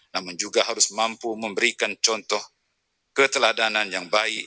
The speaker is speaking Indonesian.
namun juga harus mampu memberikan contoh keteladanan yang baik